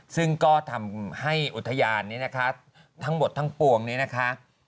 ซึ่งก็ทำให้อุทยานนี้นะคะทั้งหมดทั้งปวงนี้นะคะ